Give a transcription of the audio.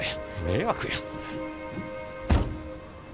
迷惑や。